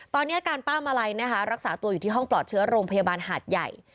ตอนนี้อาการป้ามาลัยนะคะรักษาตัวอยู่ที่ห้องปลอดเชื้อโรงพยาบาลหาดใหญ่